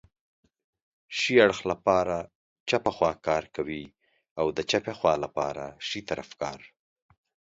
ښي اړخ لپاره چپه خواکار کوي او د چپې خوا لپاره ښی طرف کار